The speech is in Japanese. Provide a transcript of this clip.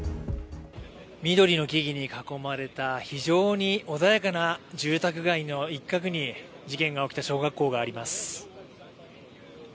緑の木々に囲まれた非常に穏やかな住宅街の一角に事件が起きた小学校があります。